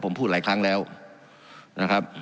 ผมพูดหลายครั้งแล้วนะครับ